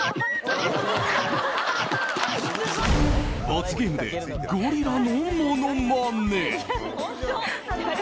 罰ゲームでゴリラのものまね。